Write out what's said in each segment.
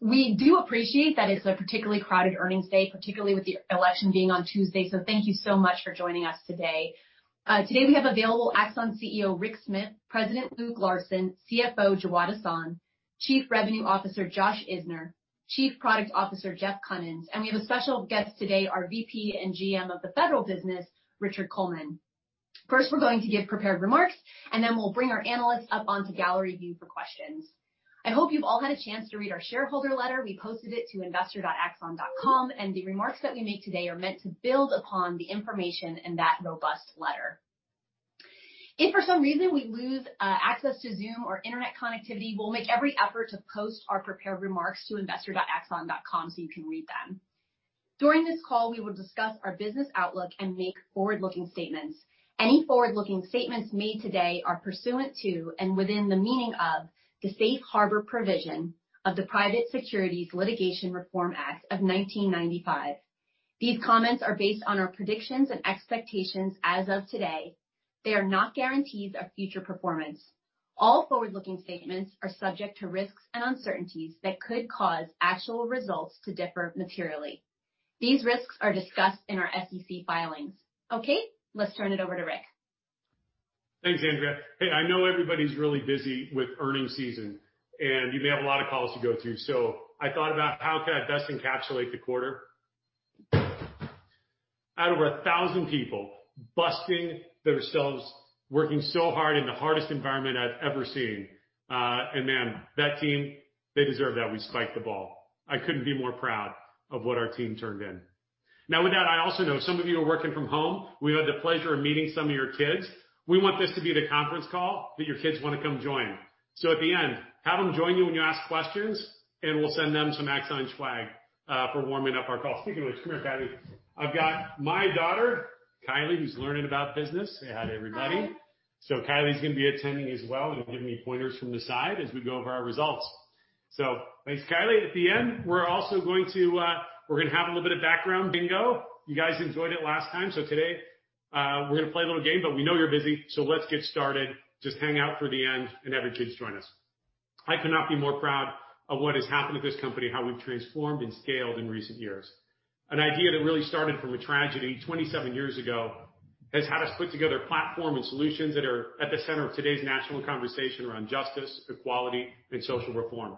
We do appreciate that it's a particularly crowded earnings day, particularly with the election being on Tuesday, so thank you so much for joining us today. Today we have available Axon CEO Rick Smith, President Luke Larson, CFO Jawad Ahsan, Chief Revenue Officer Josh Isner, Chief Product Officer Jeff Kunins, and we have a special guest today, our VP and GM of the Federal business, Richard Coleman. First, we're going to give prepared remarks, and then we'll bring our analysts up onto gallery view for questions. I hope you've all had a chance to read our shareholder letter. We posted it to investor.axon.com, and the remarks that we make today are meant to build upon the information in that robust letter. If for some reason we lose access to Zoom or internet connectivity, we'll make every effort to post our prepared remarks to investor.axon.com so you can read them. During this call, we will discuss our business outlook and make forward-looking statements. Any forward-looking statements made today are pursuant to and within the meaning of the safe harbor provision of the Private Securities Litigation Reform Act of 1995. These comments are based on our predictions and expectations as of today. They are not guarantees of future performance. All forward-looking statements are subject to risks and uncertainties that could cause actual results to differ materially. These risks are discussed in our SEC filings. Okay, let's turn it over to Rick. Thanks, Andrea. Hey, I know everybody's really busy with earnings season, and you may have a lot of calls to go to, so I thought about how I could best encapsulate the quarter. Over 1,000 people are busting themselves, working so hard in the hardest environment I've ever seen. Man, that team, they deserve that we spike the ball. I couldn't be more proud of what our team turned in. With that, I also know some of you are working from home. We had the pleasure of meeting some of your kids. We want this to be the conference call that your kids want to come join. At the end, have them join you when you ask questions, and we'll send them some Axon swag for warming up our call. Speaking of which, come here, Patty. I've got my daughter, Kylie, who's learning about business. Say hi to everybody. Kylie's going to be attending as well and giving me pointers from the side as we go over our results. Thanks, Kylie. At the end, we're going to have a little bit of background bingo. You guys enjoyed it last time. Today, we're going to play a little game. We know you're busy. Let's get started. Just hang out for the end and have your kids join us. I could not be more proud of what has happened at this company, how we've transformed and scaled in recent years. An idea that really started from a tragedy 27 years ago has had us put together a platform and solutions that are at the center of today's national conversation around justice, equality, and social reform.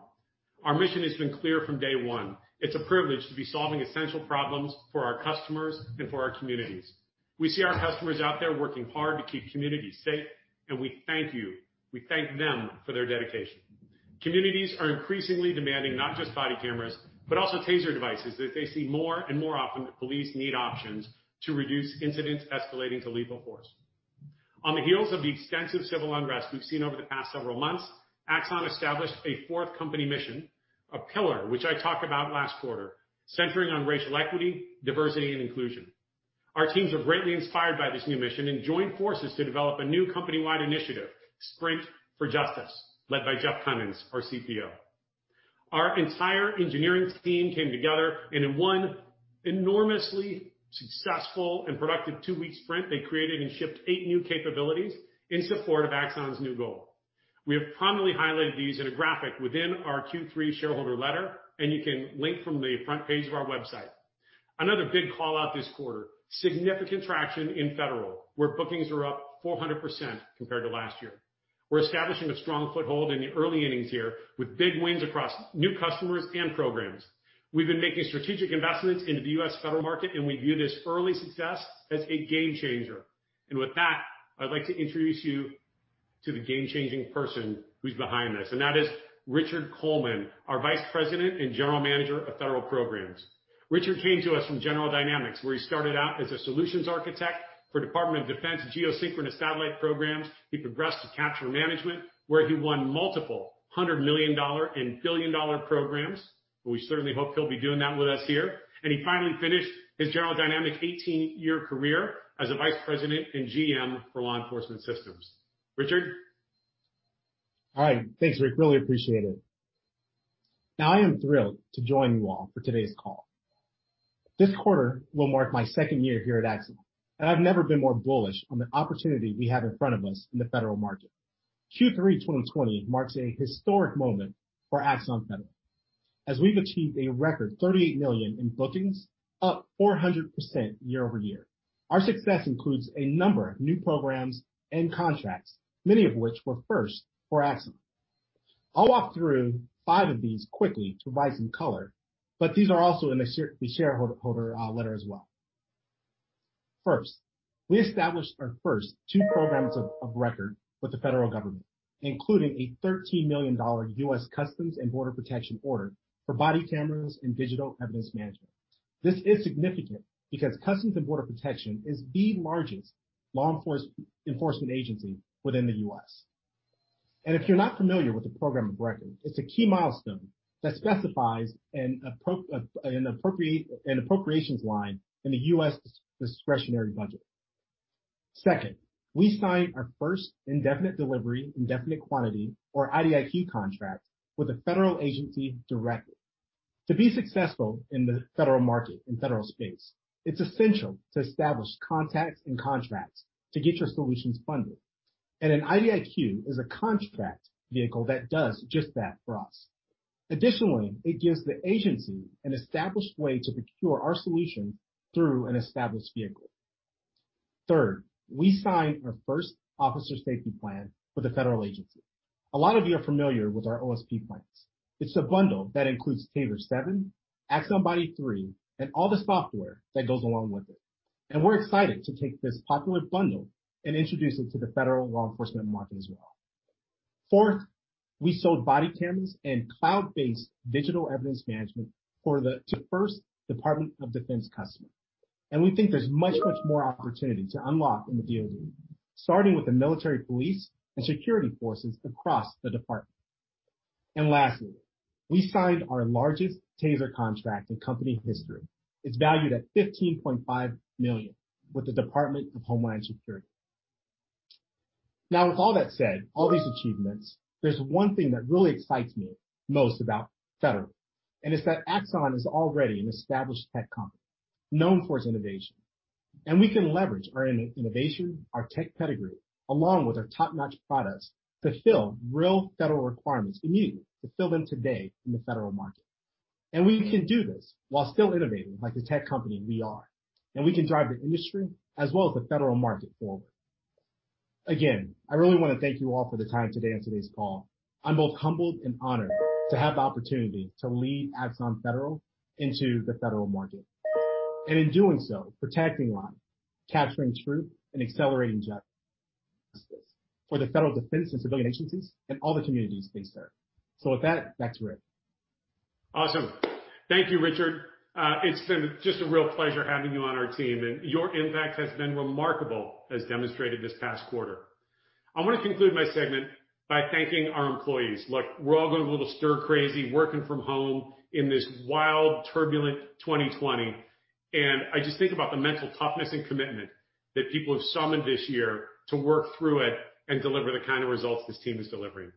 Our mission has been clear from day one. It's a privilege to be solving essential problems for our customers and for our communities. We see our customers out there working hard to keep communities safe, and we thank you. We thank them for their dedication. Communities are increasingly demanding not just body cameras, but also TASER devices that they see more and more often, and police need options to reduce incidents escalating to lethal force. On the heels of the extensive civil unrest we've seen over the past several months, Axon established a fourth company mission, a pillar that I talked about last quarter, centering on racial equity, diversity, and inclusion. Our teams are greatly inspired by this new mission and joined forces to develop a new company-wide initiative, Sprint for Justice, led by Jeff Kunins, our CPO. Our entire engineering team came together, and in one enormously successful and productive two-week sprint, they created and shipped eight new capabilities in support of Axon's new goal. We have prominently highlighted these in a graphic within our Q3 shareholder letter, and you can link from the front page of our website. Another big call-out this quarter is significant traction in federal, where bookings were up 400% compared to last year. We're establishing a strong foothold in the early innings here with big wins across new customers and programs. We've been making strategic investments into the U.S. federal market, and we view this early success as a game-changer. With that, I'd like to introduce you to the game-changing person who's behind this, and that is Richard Coleman, our Vice President and General Manager of Federal Programs. Richard came to us from General Dynamics, where he started out as a solutions architect for Department of Defense geosynchronous satellite programs. He progressed to capture management, where he won multiple $100 million and billion-dollar programs. We certainly hope he'll be doing that with us here. He finally finished his 18-year General Dynamics career as a vice president and GM for Law Enforcement Systems. Richard. All right. Thanks, Rick. Really appreciate it. Now I am thrilled to join you all for today's call. This quarter will mark my second year here at Axon. I've never been more bullish on the opportunity we have in front of us in the federal market. Q3 2020 marks a historic moment for Axon Federal. We've achieved a record $38 million in bookings, up 400% year-over-year. Our success includes a number of new programs and contracts, many of which were first for Axon. I'll walk through five of these quickly to provide some color. These are also in the shareholder letter as well. First, we established our first two programs of record with the federal government, including a $13 million U.S. Customs and Border Protection order for body cameras and digital evidence management. This is significant because U.S. Customs and Border Protection is the largest law enforcement agency within the U.S. If you're not familiar with the program of record, it's a key milestone that specifies an appropriations line in the U.S. discretionary budget. Second, we signed our first indefinite delivery, indefinite quantity, or IDIQ contract with a federal agency directly. To be successful in the federal market, in federal space, it's essential to establish contacts and contracts to get your solutions funded. An IDIQ is a contract vehicle that does just that for us. Additionally, it gives the agency an established way to procure our solutions through an established vehicle. Third, we signed our first Officer Safety Plan with a federal agency. A lot of you are familiar with our OSP plans. It's a bundle that includes TASER 7, Axon Body 3, and all the software that goes along with it. We're excited to take this popular bundle and introduce it to the federal law enforcement market as well. Fourth, we sold body cameras and cloud-based digital evidence management to the first Department of Defense customer. We think there's much, much more opportunity to unlock in the DoD, starting with the military police and security forces across the Department. Lastly, we signed our largest TASER contract in company history. It's valued at $15.5 million with the Department of Homeland Security. With all that said, all these achievements, there's one thing that really excites me most about Federal, and it's that Axon is already an established tech company known for its innovation. We can leverage our innovation and our tech pedigree, along with our top-notch products, to fill real Federal requirements and new ones to fill them today in the Federal market. We can do this while still innovating like the tech company we are. We can drive the industry as well as the Federal market forward. Again, I really want to thank you all for the time today on today's call. I'm both humbled and honored to have the opportunity to lead Axon Federal into the federal market. In doing so, protecting lives, capturing truth, and accelerating justice for the federal defense and civilian agencies and all the communities they serve. With that, back to Rick. Awesome. Thank you, Richard. It's been just a real pleasure having you on our team, and your impact has been remarkable as demonstrated this past quarter. I want to conclude my segment by thanking our employees. Look, we're all going a little stir crazy working from home in this wild, turbulent 2020. I just think about the mental toughness and commitment that people have summoned this year to work through it and deliver the kind of results this team is delivering.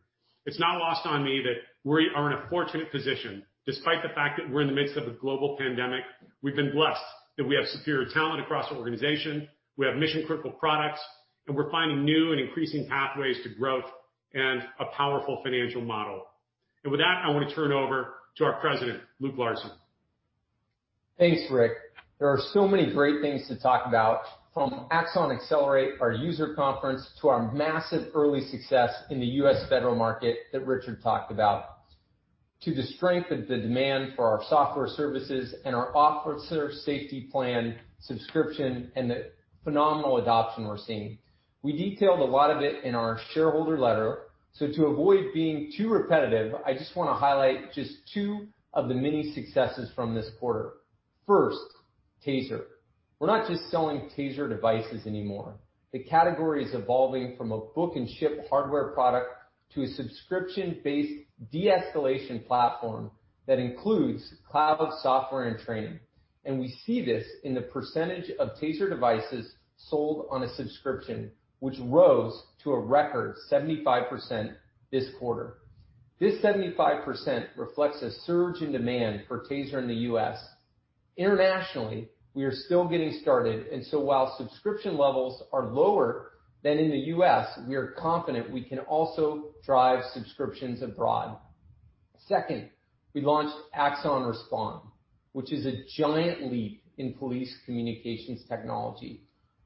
It's not lost on me that we are in a fortunate position. Despite the fact that we're in the midst of a global pandemic, we've been blessed that we have superior talent across the organization, we have mission-critical products, and we're finding new and increasing pathways to growth and a powerful financial model. With that, I want to turn over to our President, Luke Larson. Thanks, Rick. There are so many great things to talk about, from Axon Accelerate, our user conference, to our massive early success in the U.S. federal market that Richard talked about, to the strength of the demand for our software services and our Officer Safety Plan subscription and the phenomenal adoption we're seeing. We detailed a lot of it in our shareholder letter, so to avoid being too repetitive, I just want to highlight just two of the many successes from this quarter. First, TASER. We're not just selling TASER devices anymore. The category is evolving from a book-and-ship hardware product to a subscription-based de-escalation platform that includes cloud software and training. We see this in the percentage of TASER devices sold on a subscription, which rose to a record 75% this quarter. This 75% reflects a surge in demand for TASER in the U.S. Internationally, we are still getting started. While subscription levels are lower than in the U.S., we are confident we can also drive subscriptions abroad. Second, we launched Axon Respond, which is a giant leap in police communications technology.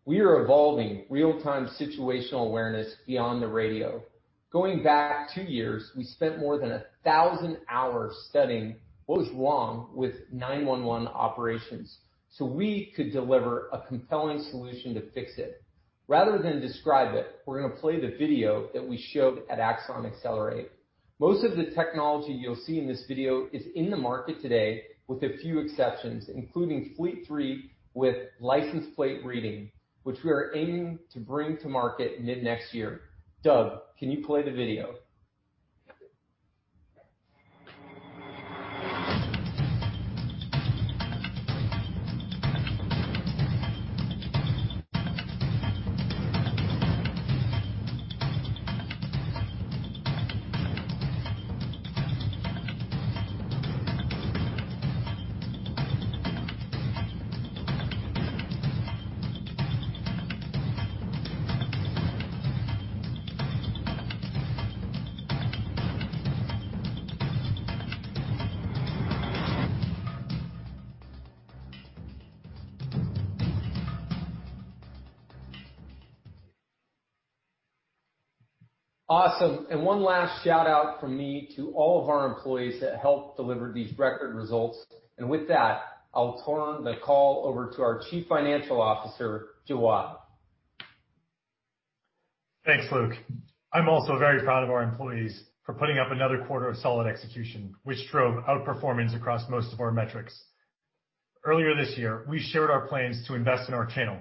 We are evolving real-time situational awareness beyond the radio. Going back two years, we spent more than 1,000 hours studying what was wrong with 911 operations so we could deliver a compelling solution to fix it. Rather than describe it, we're going to play the video that we showed at Axon Accelerate. Most of the technology you'll see in this video is in the market today with a few exceptions, including Fleet 3 with license plate reading, which we are aiming to bring to market mid-next year. Doug, can you play the video? Awesome. One last shout-out from me to all of our employees that helped deliver these record results. With that, I'll turn the call over to our Chief Financial Officer, Jawad. Thanks, Luke. I'm also very proud of our employees for putting up another quarter of solid execution, which drove outperformance across most of our metrics. Earlier this year, we shared our plans to invest in our channel,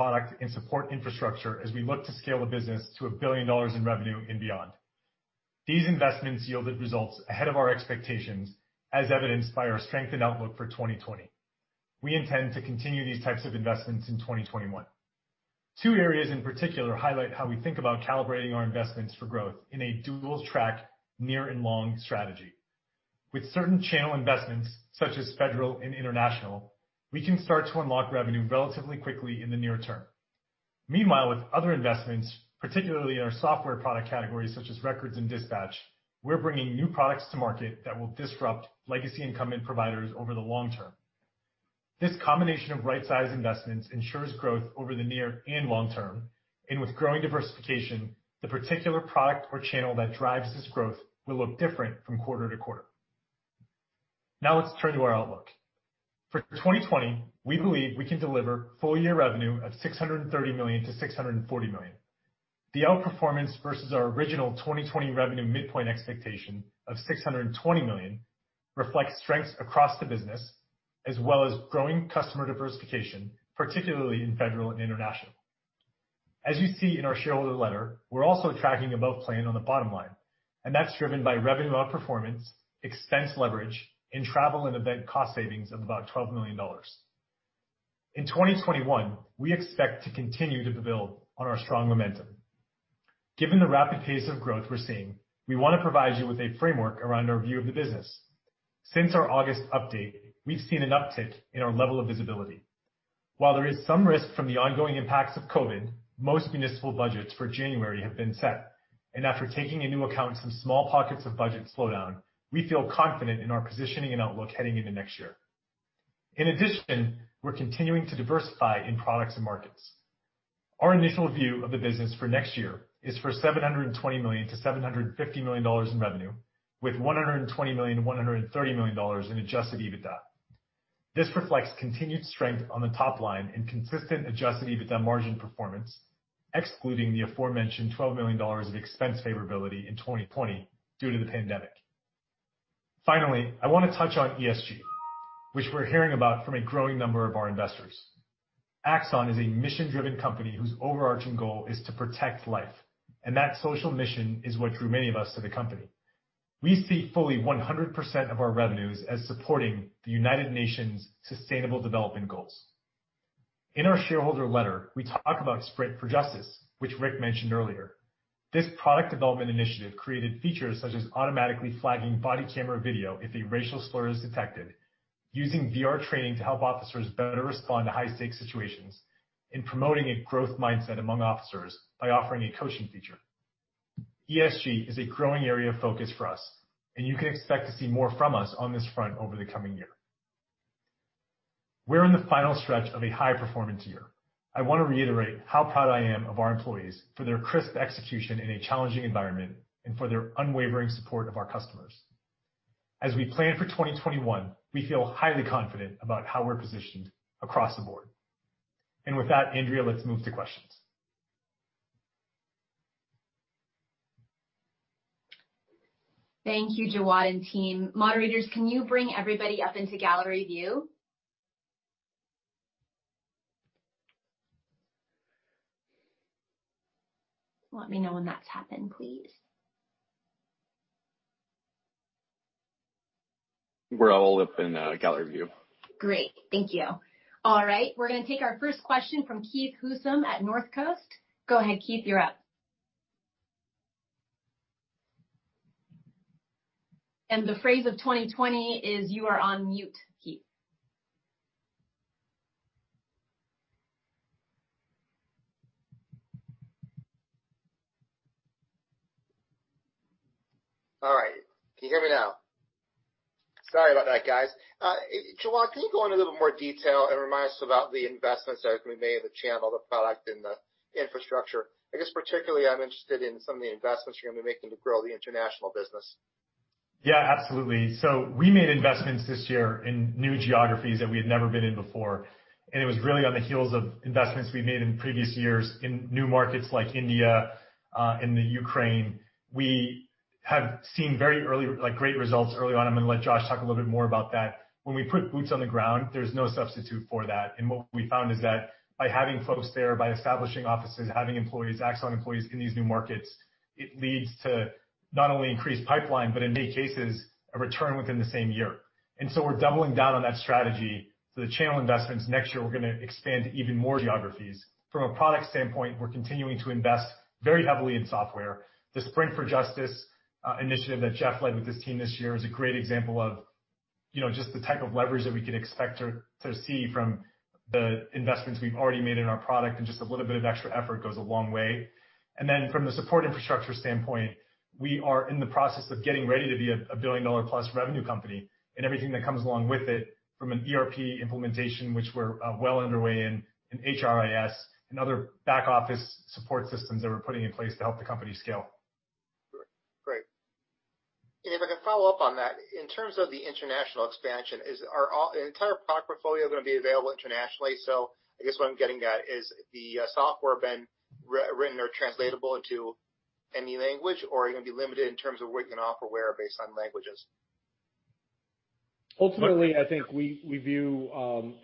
product, and support infrastructure as we look to scale the business to $1 billion in revenue and beyond. These investments yielded results ahead of our expectations, as evidenced by our strengthened outlook for 2020. We intend to continue these types of investments in 2021. Two areas in particular highlight how we think about calibrating our investments for growth in a dual-track, near- and long-term strategy. With certain channel investments such as federal and international, we can start to unlock revenue relatively quickly in the near term. Meanwhile, with other investments, particularly in our software product categories such as records and dispatch, we're bringing new products to market that will disrupt legacy incumbent providers over the long term. This combination of right-size investments ensures growth over the near and long term, and with growing diversification, the particular product or channel that drives this growth will look different from quarter to quarter. Now let's turn to our outlook. For 2020, we believe we can deliver full-year revenue of $630 million-$640 million. The outperformance versus our original 2020 revenue midpoint expectation of $620 million reflects strengths across the business, as well as growing customer diversification, particularly in federal and international. As you see in our shareholder letter, we're also tracking above plan on the bottom line, and that's driven by revenue outperformance, expense leverage, and travel and event cost savings of about $12 million. In 2021, we expect to continue to build on our strong momentum. Given the rapid pace of growth we're seeing, we want to provide you with a framework around our view of the business. Since our August update, we've seen an uptick in our level of visibility. While there is some risk from the ongoing impacts of COVID, most municipal budgets for January have been set, and after taking into account some small pockets of budget slowdown, we feel confident in our positioning and outlook heading into next year. In addition, we're continuing to diversify in products and markets. Our initial view of the business for next year is for $720 million-$750 million in revenue, with $120 million-$130 million in adjusted EBITDA. This reflects continued strength on the top line and consistent adjusted EBITDA margin performance, excluding the aforementioned $12 million of expense favorability in 2020 due to the pandemic. Finally, I want to touch on ESG, which we're hearing about from a growing number of our investors. Axon is a mission-driven company whose overarching goal is to protect life, and that social mission is what drew many of us to the company. We see fully 100% of our revenues as supporting the United Nations Sustainable Development Goals. In our shareholder letter, we talk about Sprint for Justice, which Rick mentioned earlier. This product development initiative created features such as automatically flagging body camera video if a racial slur is detected, using VR training to help officers better respond to high-stakes situations, and promoting a growth mindset among officers by offering a coaching feature. ESG is a growing area of focus for us, and you can expect to see more from us on this front over the coming year. We're in the final stretch of a high-performance year. I want to reiterate how proud I am of our employees for their crisp execution in a challenging environment and for their unwavering support of our customers. As we plan for 2021, we feel highly confident about how we're positioned across the board. With that, Andrea, let's move to questions. Thank you, Jawad and team. Moderators, can you bring everybody up into gallery view? Let me know when that's happened, please. We're all up in gallery view. Great, thank you. All right. We're going to take our first question from Keith Housum at Northcoast. Go ahead, Keith, you're up. The phrase of 2020 is you are on mute, Keith. All right. Can you hear me now? Sorry about that, guys. Jawad, can you go into a little more detail and remind us about the investments that have been made in the channel, the product, and the infrastructure? I guess particularly, I'm interested in some of the investments you're going to be making to grow the international business. Yeah, absolutely. We made investments this year in new geographies that we had never been in before, and it was really on the heels of investments we'd made in previous years in new markets like India and Ukraine. We have seen great results early on. I'm going to let Josh talk a little bit more about that. When we put boots on the ground, there's no substitute for that. What we found is that by having folks there, by establishing offices, and having Axon employees in these new markets, it leads to not only increased pipeline but, in many cases, a return within the same year. We're doubling down on that strategy. The channel investments next year, we're going to expand to even more geographies. From a product standpoint, we're continuing to invest very heavily in software. The Sprint for Justice initiative that Jeff led with his team this year is a great example of just the type of leverage that we could expect to see from the investments we've already made in our product. Just a little bit of extra effort goes a long way. From the support infrastructure standpoint, we are in the process of getting ready to be a billion-dollar-plus revenue company. Everything that comes along with it from an ERP implementation, which we're well underway in, an HRIS and other back office support systems that we're putting in place to help the company scale. Great. If I can follow up on that, in terms of the international expansion, is our entire product portfolio going to be available internationally? I guess what I'm getting at, is the software been written or translatable into any language, or are you going to be limited in terms of what you can offer where based on languages? Ultimately, I think we view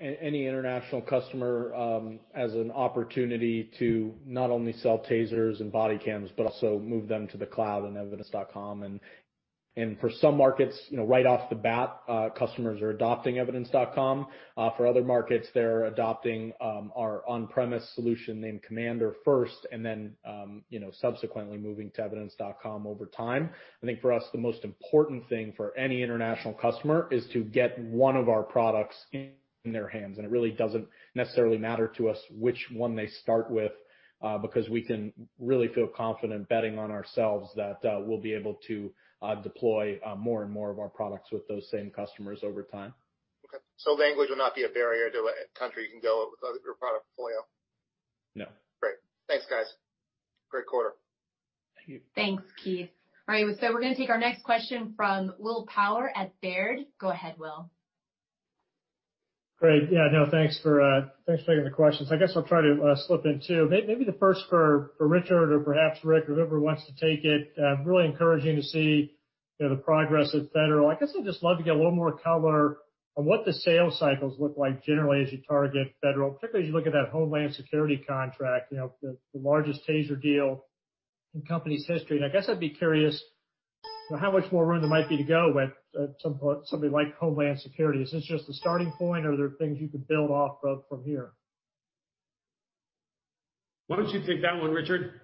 any international customer as an opportunity to not only sell TASERs and body cams, but also move them to the cloud and Evidence.com. For some markets, right off the bat, customers are adopting Evidence.com. For other markets, they're adopting our on-premise solution named Commander first, then subsequently moving to Evidence.com over time. I think for us, the most important thing for any international customer is to get one of our products in their hands. It really doesn't necessarily matter to us which one they start with, because we can really feel confident betting on ourselves that we'll be able to deploy more and more of our products with those same customers over time. Okay. Language will not be a barrier to a country. Can you go with your product portfolio? No. Great. Thanks, guys. Great quarter. Thank you. Thanks, Keith. All right. We're going to take our next question from Will Power at Baird. Go ahead, Will. Great. Thanks for taking the questions. I guess I'll try to slip in two. Maybe the first for Richard, or perhaps Rick, or whoever wants to take it. Really encouraging to see the progress at federal. I guess I'd just love to get a little more color on what the sales cycles look like generally as you target federal. Particularly as you look at that Homeland Security contract, the largest TASER deal in the company's history. I guess I'd be curious how much more room there might be to go with somebody like Homeland Security. Is this just the starting point or are there things you could build off of from here? Why don't you take that one, Richard?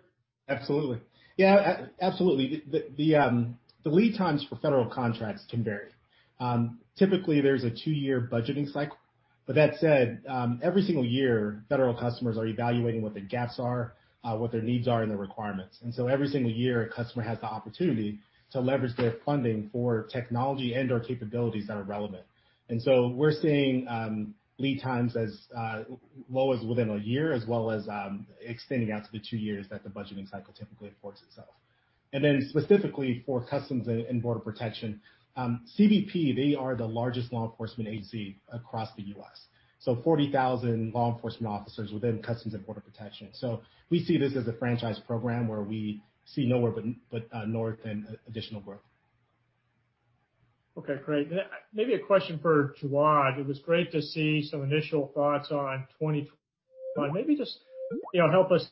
Absolutely. Yeah. Absolutely. The lead times for federal contracts can vary. Typically, there's a two-year budgeting cycle. That said, every single year, federal customers are evaluating what the gaps are, what their needs are, and the requirements. Every single year, a customer has the opportunity to leverage their funding for technology and/or capabilities that are relevant. We're seeing lead times as low as within a year, as well as extending out to the two years that the budgeting cycle typically affords itself. Specifically for U.S. Customs and Border Protection. CBP, they are the largest law enforcement agency across the U.S., so 40,000 law enforcement officers are within U.S. Customs and Border Protection. We see this as a franchise program where we see nowhere but north and additional growth. Okay, great. Maybe a question for Jawad. It was great to see some initial thoughts on 2021. Maybe just help us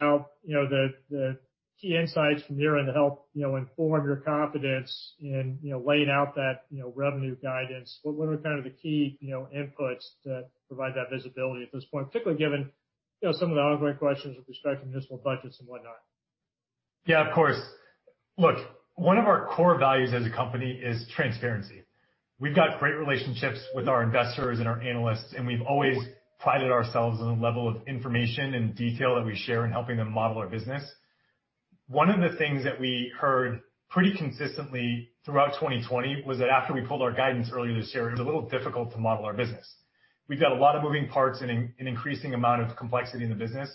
out with the key insights from there and help inform your confidence in laying out that revenue guidance. What are kind of the key inputs that provide that visibility at this point, particularly given some of the ongoing questions with respect to municipal budgets and whatnot? Yeah, of course. Look, one of our core values as a company is transparency. We've got great relationships with our investors and our analysts, and we've always prided ourselves on the level of information and detail that we share in helping them model our business. One of the things that we heard pretty consistently throughout 2020 was that after we pulled our guidance earlier this year, it was a little difficult to model our business. We've got a lot of moving parts and an increasing amount of complexity in the business.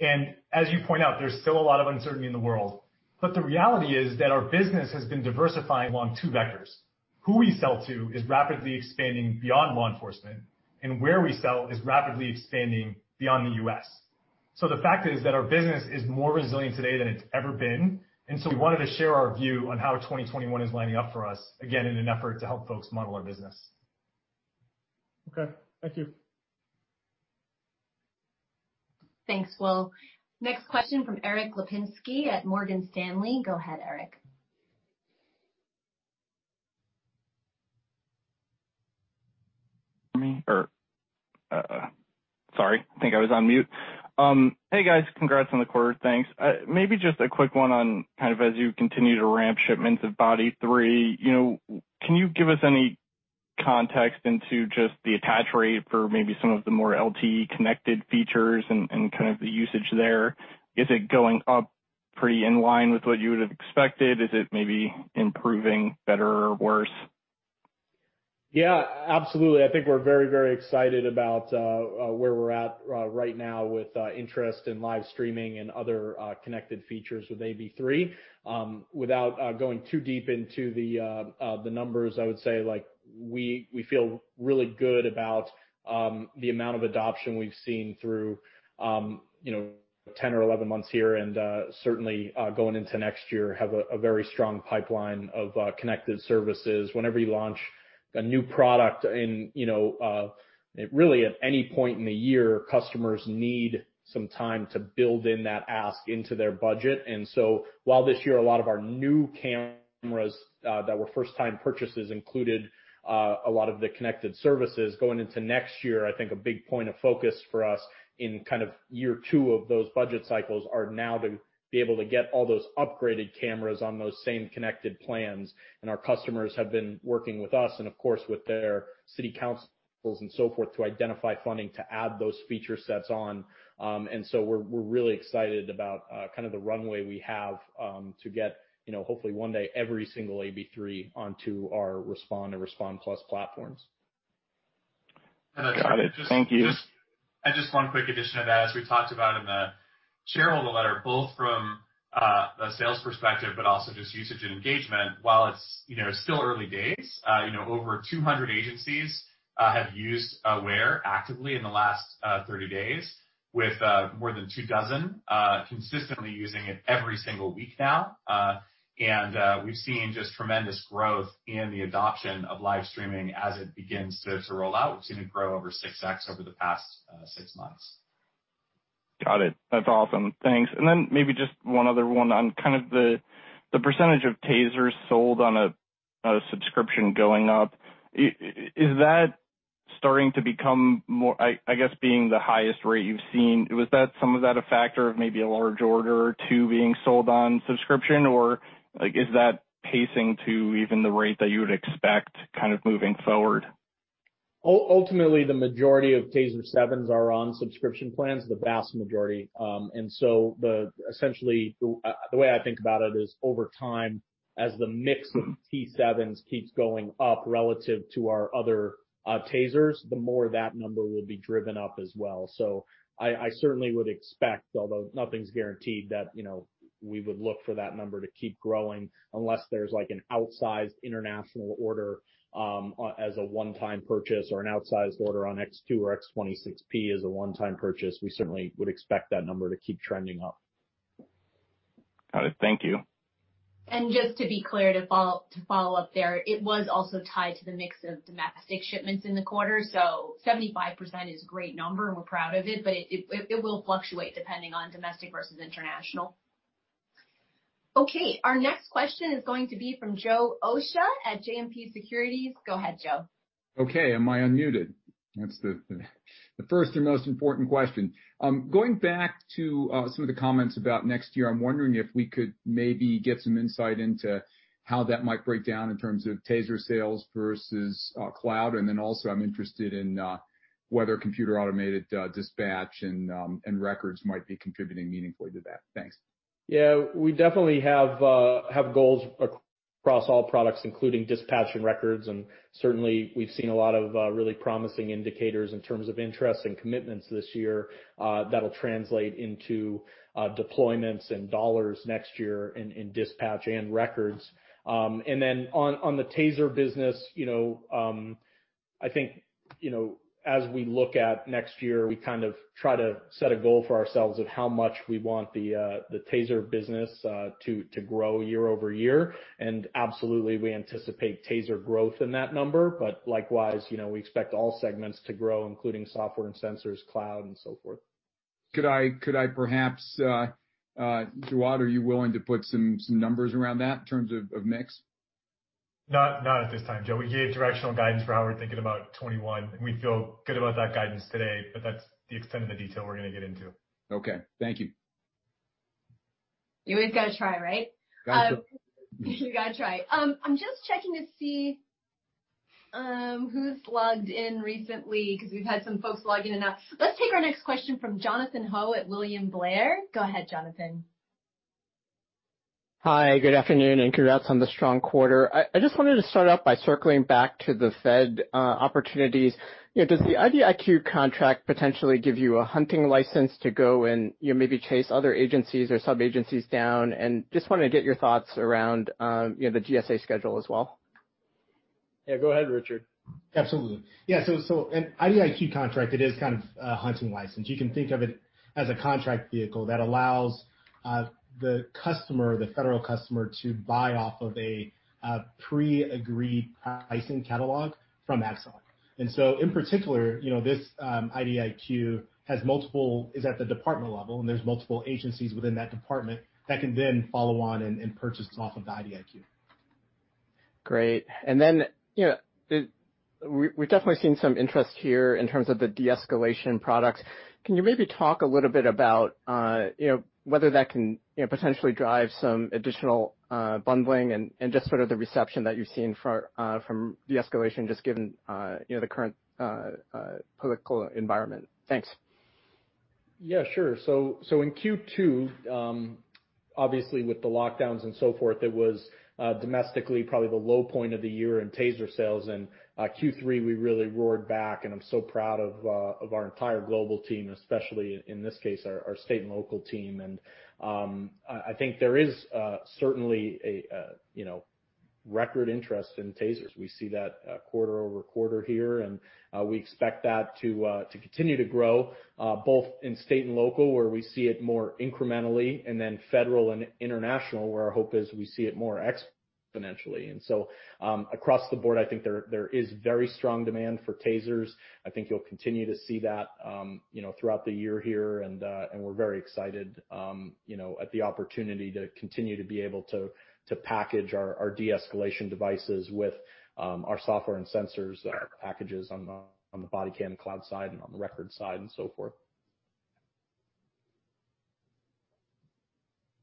As you point out, there's still a lot of uncertainty in the world. The reality is that our business has been diversifying along two vectors. Who we sell to is rapidly expanding beyond law enforcement, and where we sell is rapidly expanding beyond the U.S. The fact is that our business is more resilient today than it's ever been, and so we wanted to share our view on how 2021 is lining up for us, again, in an effort to help folks model our business. Okay. Thank you. Thanks, Will. Next question from Erik Lapinski at Morgan Stanley. Go ahead, Erik. Sorry, I think I was on mute. Hey, guys. Congrats on the quarter. Thanks. Maybe just a quick one on kind of as you continue to ramp shipments of Body 3, can you give us any context into just the attach rate for maybe some of the more LTE connected features and kind of the usage there? Is it going up pretty in line with what you would have expected? Is it maybe improving, better or worse? Yeah, absolutely. I think we're very excited about where we're at right now with interest in live streaming and other connected features with AB3. Without going too deep into the numbers, I would say we feel really good about the amount of adoption we've seen through 10 or 11 months here, and certainly going into next year, we have a very strong pipeline of connected services. Whenever you launch a new product, really at any point in the year, customers need some time to build in that ask into their budget. While this year a lot of our new cameras that were first time purchases included a lot of the connected services, going into next year, I think a big point of focus for us in kind of year two of those budget cycles are now to be able to get all those upgraded cameras on those same connected plans. Our customers have been working with us and, of course, with their city councils and so forth, to identify funding to add those feature sets on. We're really excited about kind of the runway we have to get hopefully one day every single AB3 onto our Respond and Respond+ platforms. Got it. Thank you. Just one quick addition to that, as we talked about in the shareholder letter, both from a sales perspective, but also just usage and engagement. While it's still early days, over 200 agencies have used Aware actively in the last 30 days, with more than two dozen consistently using it every single week now. We've seen just tremendous growth in the adoption of live streaming as it begins to roll out. We've seen it grow over 6x over the past six months. Got it. That's awesome. Thanks. Then maybe just one other one on kind of the percentage of TASERs sold on a subscription going up. Is that starting to become more, I guess, the highest rate you've seen? Was some of that a factor of maybe a large order or two being sold on subscription? Is that pacing to even the rate that you would expect kind of moving forward? Ultimately, the majority of TASER 7s are on subscription plans, the vast majority. Essentially, the way I think about it is, over time, as the mix of T7s keeps going up relative to our other TASERs, the more that number will be driven up as well. I certainly would expect, although nothing's guaranteed, that we would look for that number to keep growing unless there's an outsized international order as a one-time purchase or an outsized order on X2 or X26P as a one-time purchase. We certainly would expect that number to keep trending up. Got it. Thank you. Just to be clear, to follow up there, it was also tied to the mix of domestic shipments in the quarter. 75% is a great number, and we're proud of it, but it will fluctuate depending on domestic versus international. Okay, our next question is going to be from Joe Osha at JMP Securities. Go ahead, Joe. Okay. Am I unmuted? That's the first and most important question. Going back to some of the comments about next year, I'm wondering if we could maybe get some insight into how that might break down in terms of TASER sales versus cloud. Then also, I'm interested in whether computer-automated dispatch and records might be contributing meaningfully to that. Thanks. Yeah, we definitely have goals across all products, including dispatch and records. Certainly, we've seen a lot of really promising indicators in terms of interest and commitments this year that'll translate into deployments and dollars next year in dispatch and records. Then on the TASER business, I think as we look at next year, we kind of try to set a goal for ourselves of how much we want the TASER business to grow year-over-year. Absolutely, we anticipate TASER growth in that number. Likewise, we expect all segments to grow, including software and sensors, cloud, and so forth. Could I perhaps ask you, Jawad, are you willing to put some numbers around that in terms of mix? Not at this time, Joe. We gave directional guidance for how we're thinking about 2021, and we feel good about that guidance today, but that's the extent of the detail we're going to get into. Okay. Thank you. You always have to try, right? Got to. You have to try. I'm just checking to see who's logged in recently because we've had some folks log in and out. Let's take our next question from Jonathan Ho at William Blair. Go ahead, Jonathan. Hi, good afternoon, and congrats on the strong quarter. I just wanted to start off by circling back to the Fed opportunities. Does the IDIQ contract potentially give you a hunting license to go and maybe chase other agencies or sub-agencies down? Just wanted to get your thoughts around the GSA schedule as well. Yeah, go ahead, Richard. Absolutely. An IDIQ contract, it is kind of a hunting license. You can think of it as a contract vehicle that allows the federal customer to buy off of a pre-agreed pricing catalog from Axon. In particular, this IDIQ is at the department level, and there's multiple agencies within that department that can then follow on and purchase off of the IDIQ. Great. We've definitely seen some interest here in terms of the de-escalation products. Can you maybe talk a little bit about whether that can potentially drive some additional bundling and just sort of the reception that you've seen from de-escalation, just given the current political environment? Thanks. Yeah, sure. In Q2, obviously with the lockdowns and so forth, it was domestically probably the low point of the year in TASER sales. In Q3, we really roared back, and I'm so proud of our entire global team, especially, in this case, our state and local team. I think there is certainly a record interest in TASERs. We see that quarter-over-quarter here, and we expect that to continue to grow both in state and local, where we see it more incrementally, and then federal and international, where our hope is we see it more exponentially. Across the board, I think there is very strong demand for TASERs. I think you'll continue to see that throughout the year here. We're very excited at the opportunity to continue to be able to package our de-escalation devices with our software and sensors packages on the bodycam and cloud side and on the records side and so forth.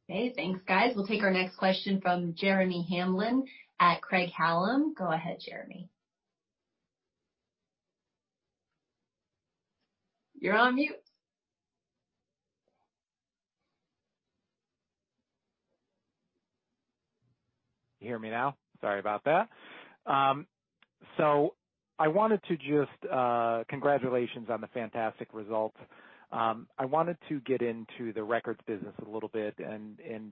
Okay, thanks, guys. We'll take our next question from Jeremy Hamblin at Craig-Hallum. Go ahead, Jeremy. You're on mute. You hear me now? Sorry about that. I wanted to just congratulate you on the fantastic results. I wanted to get into the records business a little bit and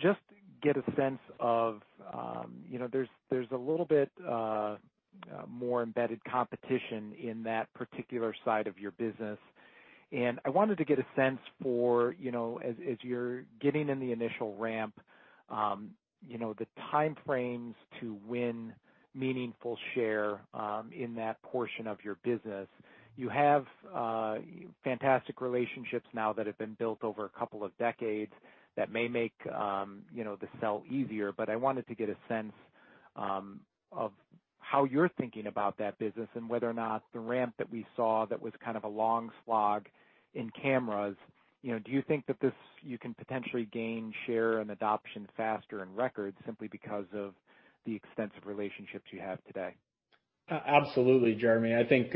just get a sense of whether there's a little bit more embedded competition in that particular side of your business. I wanted to get a sense for, as you're getting in the initial ramp The time frames to win meaningful share in that portion of your business. You have fantastic relationships now that have been built over a couple of decades that may make the sale easier, but I wanted to get a sense of how you're thinking about that business and whether or not the ramp that we saw that was kind of a long slog in cameras. Do you think that you can potentially gain share and adoption faster in records simply because of the extensive relationships you have today? Absolutely, Jeremy. I think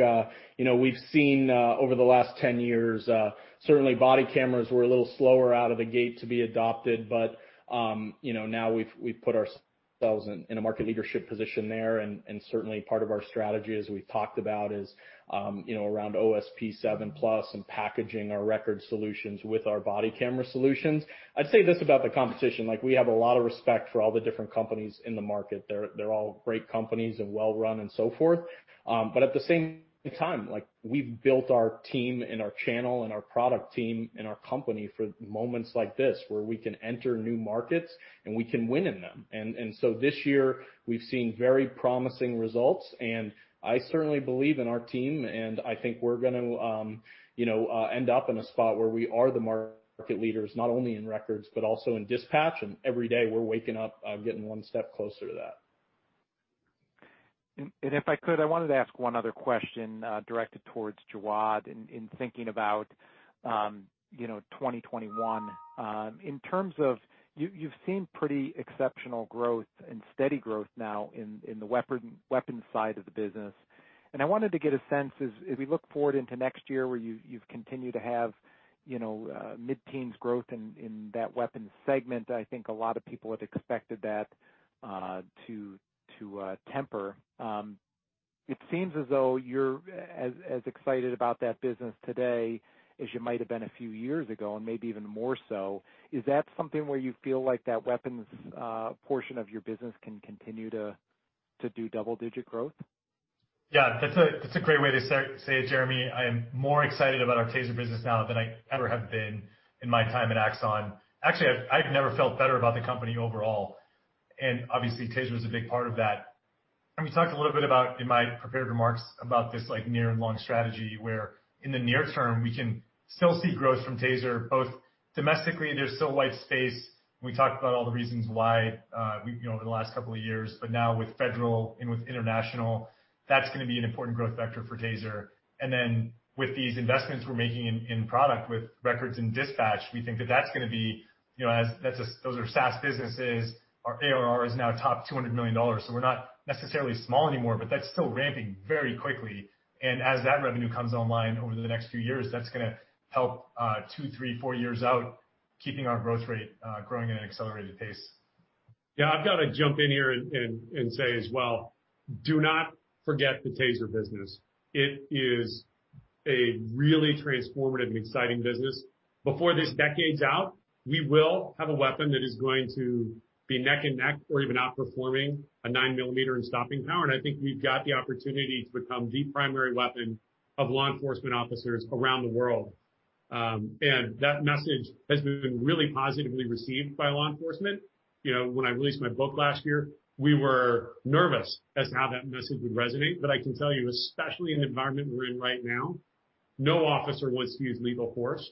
we've seen over the last 10 years, certainly body cameras were a little slower out of the gate to be adopted. Now we've put ourselves in a market leadership position there, and certainly part of our strategy, as we've talked about, is around OSP7+ and packaging our records solutions with our body camera solutions. I'd say this about the competition: we have a lot of respect for all the different companies in the market. They're all great companies and well run and so forth. At the same time, we've built our team and our channel and our product team and our company for moments like this, where we can enter new markets, and we can win in them. This year, we've seen very promising results, and I certainly believe in our team, and I think we're going to end up in a spot where we are the market leaders, not only in records but also in dispatch, and every day we're waking up getting one step closer to that. If I could, I wanted to ask one other question directed towards Jawad in thinking about 2021. In terms of, you've seen pretty exceptional growth and steady growth now in the weapons side of the business, and I wanted to get a sense, as we look forward into next year, where you've continued to have mid-teens growth in that weapons segment. I think a lot of people had expected that to temper. It seems as though you're as excited about that business today as you might have been a few years ago, and maybe even more so. Is that something where you feel like that weapons portion of your business can continue to do double-digit growth? Yeah, that's a great way to say it, Jeremy. I am more excited about our TASER business now than I ever have been in my time at Axon. Actually, I've never felt better about the company overall, and obviously TASER is a big part of that. We talked a little bit about, in my prepared remarks, this near- and long-term strategy, where in the near term, we can still see growth from TASER, both domestically, there's still white space. We talked about all the reasons why over the last couple of years. Now with federal and with international, that's going to be an important growth vector for TASER. With these investments we're making in product with records and dispatch, we think those are SaaS businesses. Our ARR is now over $200 million. We're not necessarily small anymore, but that's still ramping very quickly. As that revenue comes online over the next few years, that's going to help two, three, four years out, keeping our growth rate growing at an accelerated pace. Yeah, I've got to jump in here and say as well, do not forget the TASER business. It is a really transformative and exciting business. Before this decade's out, we will have a weapon that is going to be neck and neck or even outperforming a nine millimeter in stopping power. I think we've got the opportunity to become the primary weapon of law enforcement officers around the world. That message has been really positively received by law enforcement. When I released my book last year, we were nervous as to how that message would resonate. I can tell you, especially in the environment we're in right now, no officer wants to use lethal force,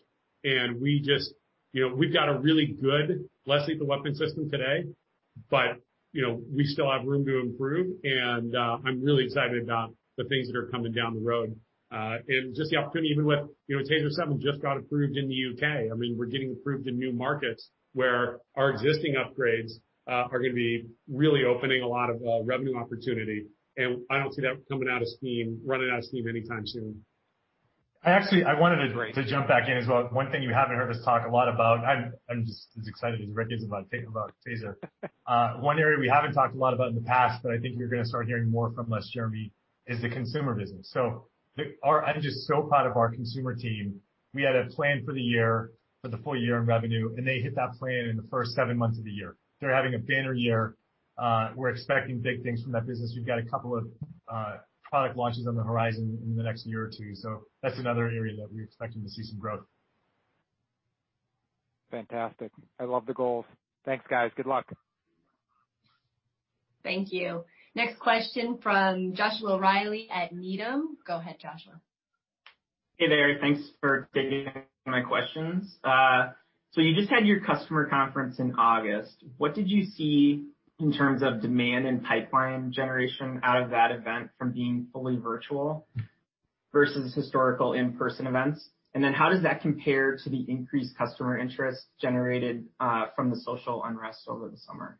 and we've got a really good less-lethal weapon system today. We still have room to improve, and I'm really excited about the things that are coming down the road. Just the opportunity, even with TASER 7, just got approved in the U.K. We're getting approved in new markets where our existing upgrades are going to be really opening a lot of revenue opportunity, and I don't see that coming out of steam, running out of steam anytime soon. I actually wanted to jump back in as well. One thing you haven't heard us talk a lot about, I'm just as excited as Rick is about TASER. One area we haven't talked a lot about in the past, I think you're going to start hearing more from us, Jeremy, is the consumer business. I'm just so proud of our consumer team. We had a plan for the year, for the full year in revenue, they hit that plan in the first seven months of the year. They're having a banner year. We're expecting big things from that business. We've got a couple of product launches on the horizon in the next year or two. That's another area that we're expecting to see some growth. Fantastic. I love the goals. Thanks, guys. Good luck. Thank you. Next question from Joshua Reilly at Needham. Go ahead, Joshua. Hey there. Thanks for taking my questions. You just had your Customer Conference in August. What did you see in terms of demand and pipeline generation out of that event from being fully virtual versus historical in-person events? How does that compare to the increased customer interest generated from the social unrest over the summer?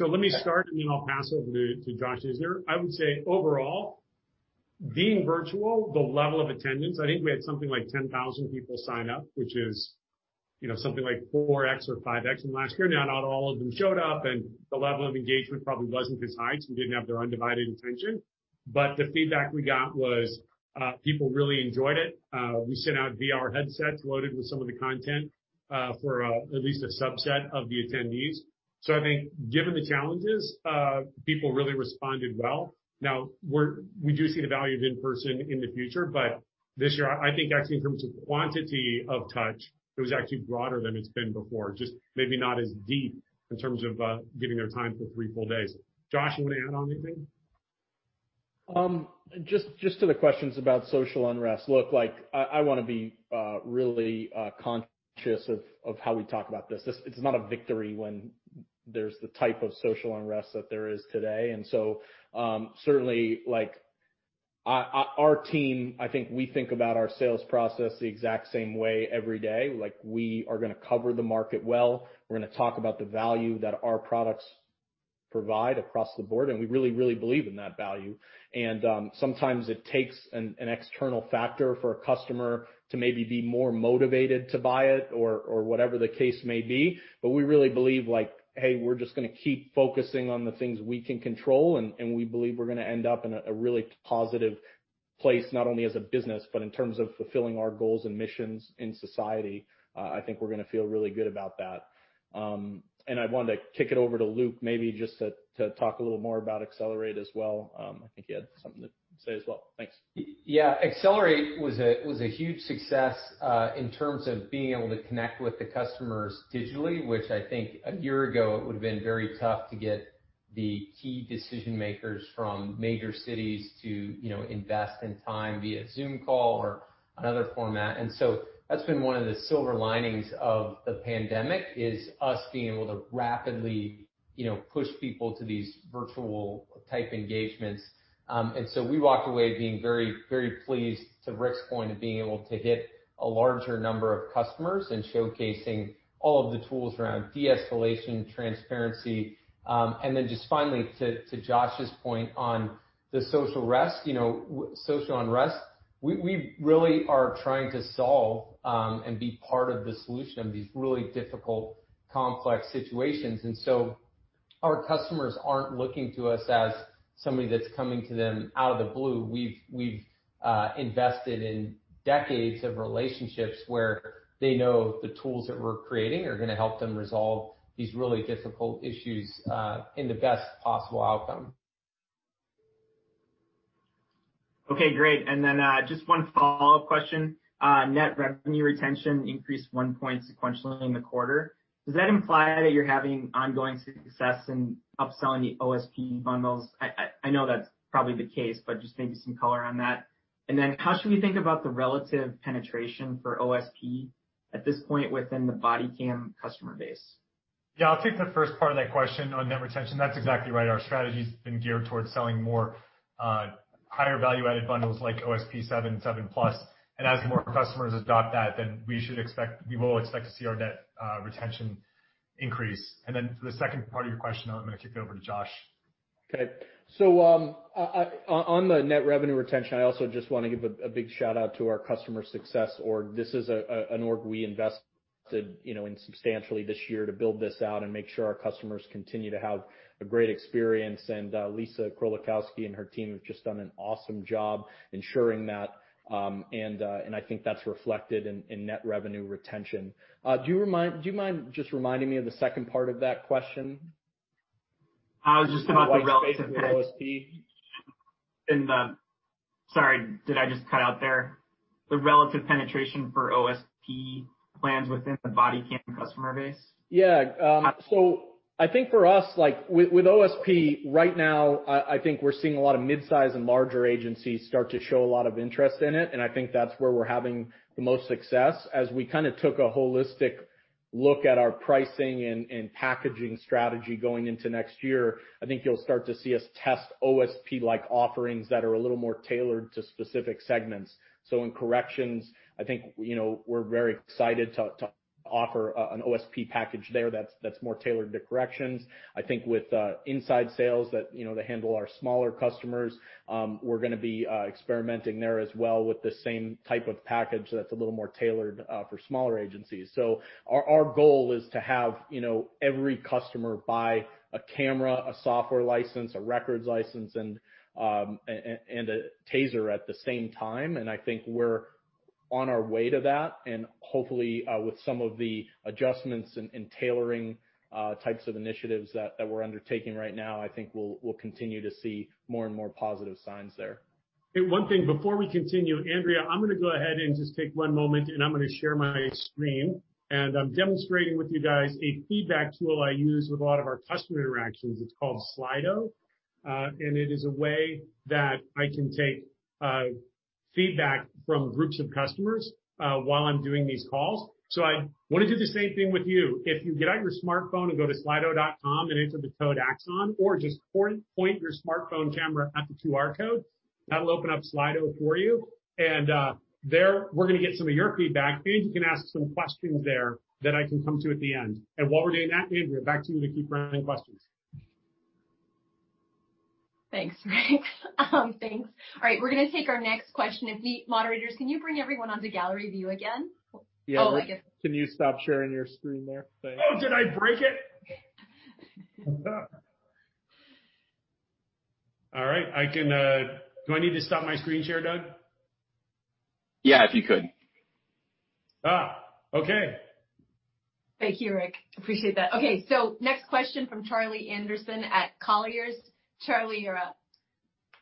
Let me start, and then I'll pass over to Josh Isner. I would say overall, being virtual, the level of attendance, I think we had something like 10,000 people sign up, which is something like 4x or 5x from last year. Not all of them showed up, and the level of engagement probably wasn't as high, so we didn't have their undivided attention. The feedback we got was people really enjoyed it. We sent out VR headsets loaded with some of the content for at least a subset of the attendees. I think given the challenges, people really responded well. Now we do see the value of in-person in the future, but this year, I think actually in terms of quantity of touch, it was actually broader than it's been before, just maybe not as deep in terms of giving their time for three full days. Josh, d you want to add anything? Just to the questions about social unrest. Look, I want to be really conscious of how we talk about this. It's not a victory when there's the type of social unrest that there is today. Certainly, our team, I think, thinks about our sales process the exact same way every day. We are going to cover the market well. We're going to talk about the value that our products provide across the board, and we really, really believe in that value. Sometimes it takes an external factor for a customer to maybe be more motivated to buy it or whatever the case may be. We really believe, hey, we're just going to keep focusing on the things we can control, and we believe we're going to end up in a really positive place, not only as a business, but in terms of fulfilling our goals and missions in society. I think we're going to feel really good about that. I wanted to kick it over to Luke, maybe just to talk a little more about Accelerate as well. I think he had something to say as well. Thanks. Yeah. Axon Accelerate was a huge success in terms of being able to connect with the customers digitally, which I think a year ago it would've been very tough to get the key decision-makers from major cities to invest in time via Zoom call or another format. That's been one of the silver linings of the pandemic: us being able to rapidly push people to these virtual-type engagements. We walked away being very pleased, to Rick's point, of being able to hit a larger number of customers and showcasing all of the tools around de-escalation and transparency. Just finally, to Josh's point on the social unrest, we really are trying to solve and be part of the solution to these really difficult, complex situations. Our customers aren't looking to us as somebody that's coming to them out of the blue. We've invested in decades of relationships where they know the tools that we're creating are going to help them resolve these really difficult issues in the best possible outcome. Okay, great. Just one follow-up question. Net revenue retention increased one point sequentially in the quarter. Does that imply that you're having ongoing success in upselling the OSP bundles? I know that's probably the case, just maybe some color on that. How should we think about the relative penetration for OSP at this point within the Bodycam customer base? Yeah, I'll take the first part of that question on net retention. That's exactly right. Our strategy's been geared towards selling more higher value-added bundles like OSP 7 and 7 Plus. As more customers adopt that, we will expect to see our net retention increase. For the second part of your question, I'm going to kick it over to Josh. Okay. On the net revenue retention, I also just want to give a big shout-out to our customer success org. This is an org we invested in substantially this year to build this out and make sure our customers continue to have a great experience. Lisa Krolikowski and her team have just done an awesome job ensuring that, and I think that's reflected in net revenue retention. Do you mind just reminding me of the second part of that question? It was just about the relative penetration— White space with OSP? Sorry, did I just cut out there? The relative penetration for OSP plans within the Bodycam customer base? Yeah. I think for us, with OSP right now, I think we're seeing a lot of mid-size and larger agencies start to show a lot of interest in it, and I think that's where we're having the most success. As we kind of took a holistic look at our pricing and packaging strategy going into next year, I think you'll start to see us test OSP-like offerings that are a little more tailored to specific segments. In corrections, I think we're very excited to offer an OSP package there that's more tailored to corrections. I think with inside sales that handle our smaller customers, we're going to be experimenting there as well with the same type of package that's a little more tailored for smaller agencies. Our goal is to have every customer buy a camera, a software license, a records license, and a TASER at the same time, and I think we're on our way to that. Hopefully, with some of the adjustments and tailoring types of initiatives that we're undertaking right now, I think we'll continue to see more and more positive signs there. Hey, one thing before we continue. Andrea, I'm going to go ahead and just take one moment, and I'm going to share my screen. I'm demonstrating with you guys a feedback tool I use with a lot of our customer interactions. It's called Slido. It is a way that I can take feedback from groups of customers while I'm doing these calls. I want to do the same thing with you. If you get out your smartphone and go to slido.com and enter the code Axon, or just point your smartphone camera at the QR code, that'll open up Slido for you. There we're going to get some of your feedback. Maybe you can ask some questions there that I can come to at the end. While we're doing that, Andrea, back to you to keep running questions. Thanks, Rick. Thanks. All right, we're going to take our next question. If the moderators can, can you bring everyone onto gallery view again? Yeah. Oh, I guess- Can you stop sharing your screen there? Thanks. Oh, did I break it? All right. Do I need to stop my screen share, Doug? Yeah, if you could. Okay. Thank you, Rick. Appreciate that. Okay, next question from Charlie Anderson at Colliers. Charlie, you're up.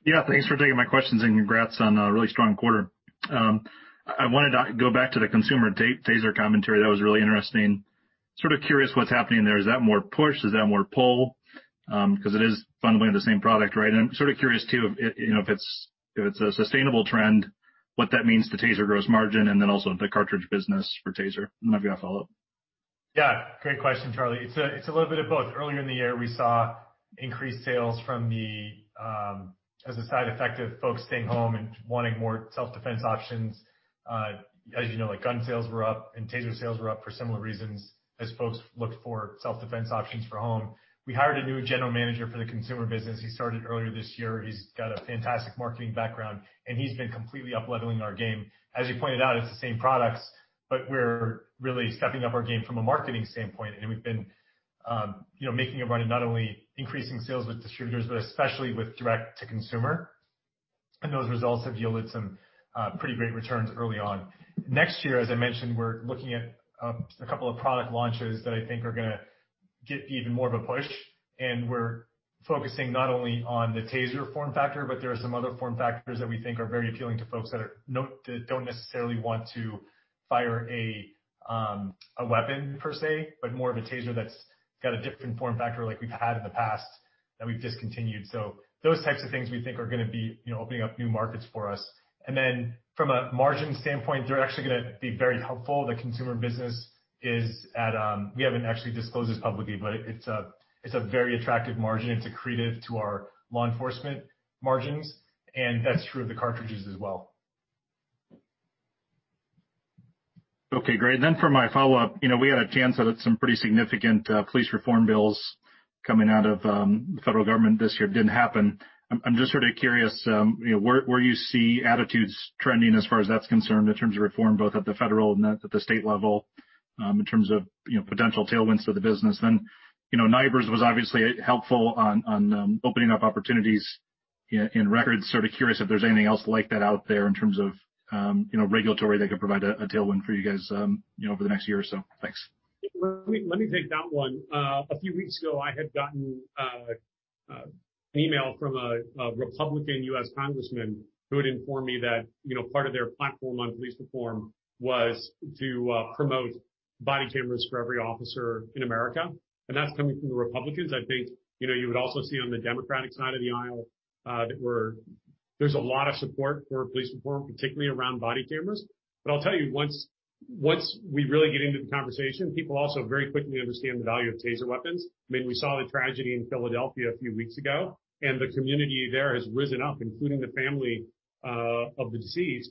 Yeah, thanks for taking my questions, and congrats on a really strong quarter. I wanted to go back to the consumer TASER commentary. That was really interesting. Sort of curious what's happening there. Is that more push? Is that more pull? It is fundamentally the same product, right? I'm sort of curious, too, if it's a sustainable trend, what that means to TASER gross margin, and then also the cartridge business for TASER. I've got a follow-up. Yeah, great question, Charlie. It's a little bit of both. Earlier in the year, we saw increased sales as a side effect of folks staying home and wanting more self-defense options. As you know, gun sales were up, and TASER sales were up for similar reasons as folks looked for self-defense options for home. We hired a new general manager for the consumer business. He started earlier this year. He's got a fantastic marketing background, and he's been completely up-leveling our game. As you pointed out, it's the same products, but we're really stepping up our game from a marketing standpoint. We've been making a run at not only increasing sales with distributors but especially with direct-to-consumer. Those results have yielded some pretty great returns early on. Next year, as I mentioned, we're looking at a couple of product launches that I think are going to get even more of a push. We're focusing not only on the TASER form factor, but there are some other form factors that we think are very appealing to folks that don't necessarily want to fire a weapon per se, but more of a TASER that's got a different form factor like we've had in the past that we've discontinued. Those types of things we think are going to be opening up new markets for us. From a margin standpoint, they're actually going to be very helpful. The consumer business—we haven't actually disclosed this publicly, but it's a very attractive margin. It's accretive to our law enforcement margins, that's true of the cartridges as well. Okay, great. For my follow-up, we had a chance at some pretty significant police reform bills coming out of the federal government this year. It didn't happen. I'm just sort of curious where you see attitudes trending as far as that's concerned in terms of reform, both at the federal and at the state level in terms of potential tailwinds for the business. NIBRS was obviously helpful in opening up opportunities in records. Sort of curious if there's anything else like that out there in terms of regulation that could provide a tailwind for you guys over the next year or so. Thanks. Let me take that one. A few weeks ago, I had gotten an email from a Republican U.S. congressman who had informed me that part of their platform on police reform was to promote body cameras for every officer in America. That's coming from the Republicans. I think you would also see on the Democratic side of the aisle that there's a lot of support for police reform, particularly around body cameras. I'll tell you, once we really get into the conversation, people also very quickly understand the value of TASER weapons. We saw the tragedy in Philadelphia a few weeks ago, the community there has risen up, including the family of the deceased,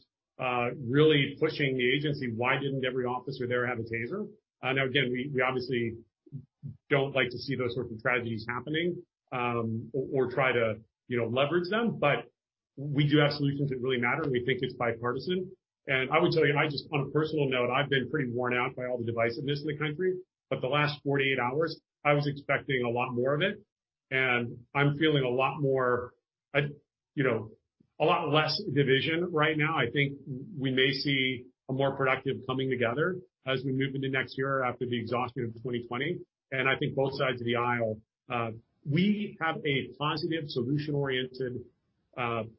really pushing the agency. Why didn't every officer there have a TASER? Again, we obviously don't like to see those sorts of tragedies happening or try to leverage them. We do have solutions that really matter, and we think it's bipartisan. I would tell you, just on a personal note, I've been pretty worn out by all the divisiveness in the country. The last 48 hours, I was expecting a lot more of it, and I'm feeling a lot less division right now. I think we may see a more productive coming together as we move into next year after the exhaustion of 2020. I think both sides of the aisle. We have a positive, solution-oriented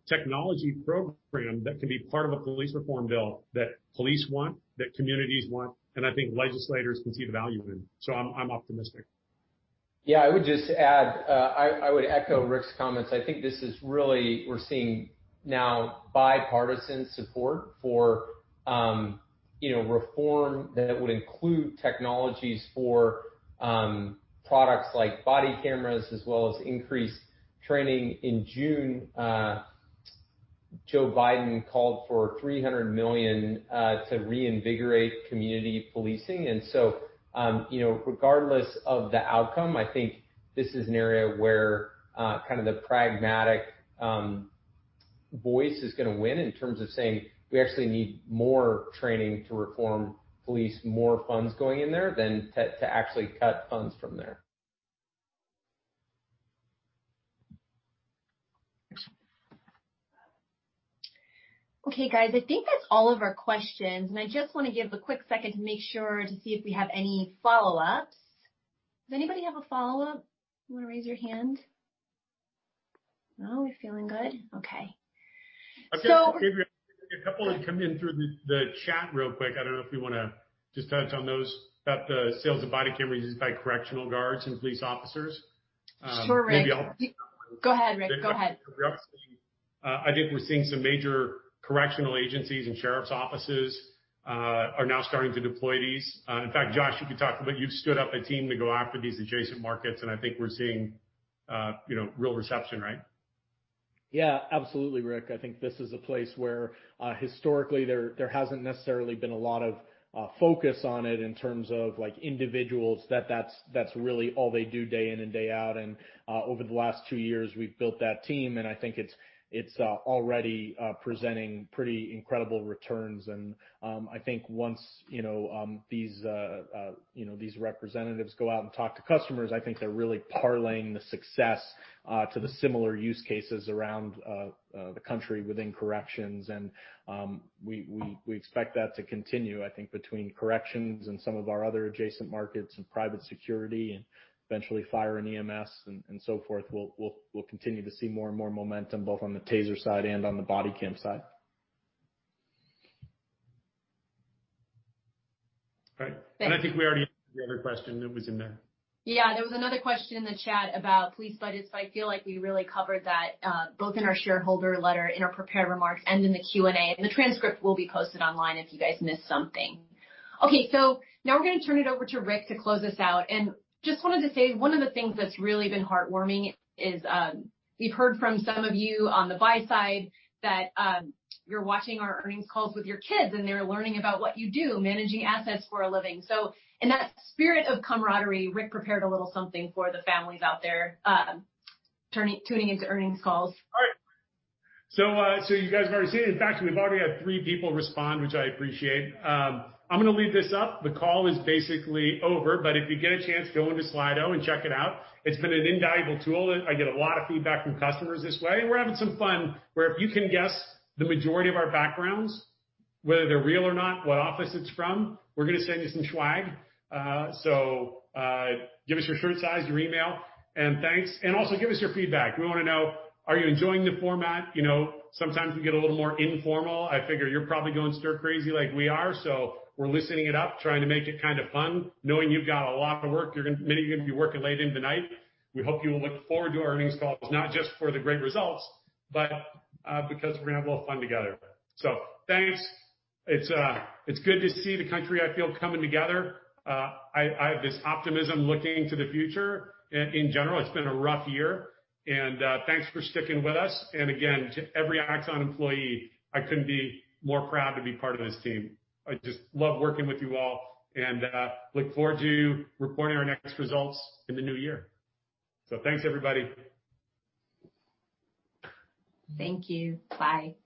technology program that can be part of a police reform bill that police want, that communities want, and I think legislators can see the value in. I'm optimistic. Yeah, I would just add, I would echo Rick's comments. I think this is really where we're seeing now bipartisan support for reform that would include technologies for products like body cameras as well as increased training. In June, Joe Biden called for $300 million to reinvigorate community policing. Regardless of the outcome, I think this is an area where the pragmatic voice is going to win in terms of saying we actually need more training to reform police, more funds going in there than to actually cut funds from there. Okay, guys, I think that's all of our questions, and I just want to give a quick second to make sure to see if we have any follow-ups. Does anybody have a follow-up? You want to raise your hand? No, are we feeling good? Okay. Andrea, a couple has come in through the chat real quick. I don't know if we want to just touch on those about the sales of body cameras used by correctional guards and police officers. Sure, Rick. Maybe I'll— Go ahead, Rick. Go ahead. I think we're seeing some major correctional agencies and sheriff's offices are now starting to deploy these. In fact, Josh, you can talk about how you've stood up a team to go after these adjacent markets, and I think we're seeing real reception, right? Absolutely, Rick. I think this is a place where historically there hasn't necessarily been a lot of focus on it in terms of individuals, that's really all they do day in and day out. Over the last two years, we've built that team, and I think it's already presenting pretty incredible returns. I think once these representatives go out and talk to customers, I think they're really parlaying the success to the similar use cases around the country within corrections. We expect that to continue. I think between corrections and some of our other adjacent markets and private security and eventually fire and EMS and so forth, we'll continue to see more and more momentum both on the TASER side and on the body cam side. All right. Thanks. I think we already answered the other question that was in there. Yeah. There was another question in the chat about police budgets, but I feel like we really covered that both in our shareholder letter, in our prepared remarks, and in the Q&A. The transcript will be posted online if you guys missed something. Okay, now we're going to turn it over to Rick to close us out. Just wanted to say, one of the things that's really been heartwarming is we've heard from some of you on the buy side that you're watching our earnings calls with your kids, and they're learning about what you do, managing assets for a living. In that spirit of camaraderie, Rick prepared a little something for the families out there tuning into earnings calls. All right. You guys have already seen it. In fact, we've already had three people respond, which I appreciate. I'm going to leave this up. The call is basically over. If you get a chance, go into Slido and check it out. It's been an invaluable tool. I get a lot of feedback from customers this way. We're having some fun where if you can guess the majority of our backgrounds, whether they're real or not, and what office it's from, we're going to send you some swag. Give us your shirt size, your email, and thanks. Also give us your feedback. We want to know, are you enjoying the format? Sometimes we get a little more informal. I figure you're probably going stir crazy like we are. We're loosening it up, trying to make it kind of fun, knowing you've got a lot of work. Many of you are going to be working late into the night. We hope you will look forward to our earnings calls, not just for the great results, but also because we're going to have a little fun together. Thanks. It's good to see the country, I feel, coming together. I have this optimism looking to the future. In general, it's been a rough year, and thanks for sticking with us. Again, to every Axon employee, I couldn't be more proud to be part of this team. I just love working with you all and look forward to reporting our next results in the new year. Thanks, everybody. Thank you. Bye.